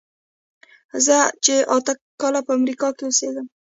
زه چې اته کاله په امریکا کې اوسېږم.